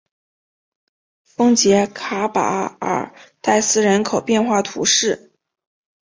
丰捷卡巴尔代斯人口变化图示